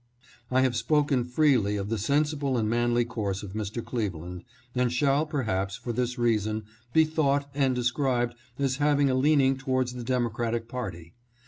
I have spoken freely of the sensible and manly course of Mr. Cleveland, and shall perhaps, for this reason, be thought and described as having a leaning towards the Democratic party.